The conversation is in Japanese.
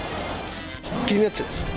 気になっちゃいました。